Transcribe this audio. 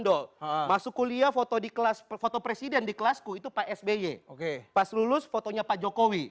doh masuk kuliah foto di kelas foto presiden di kelas ku itu psby oke pas lulus fotonya pak jokowi